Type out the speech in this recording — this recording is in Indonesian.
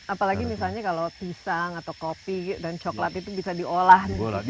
apalagi misalnya kalau pisang atau kopi dan coklat itu bisa diolah